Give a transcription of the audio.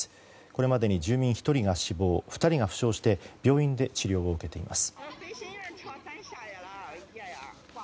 これまでの住民１人が死亡２人が負傷して病院で治療を受けています。